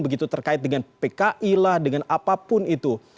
begitu terkait dengan pki lah dengan apapun itu